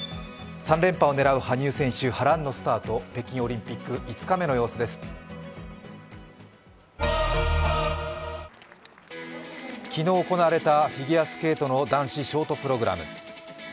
３連覇を狙う羽生選手、波乱のスタート、北京オリンピック５日目の様子です昨日行われたフィギュアスケートの男子ショートプログラム。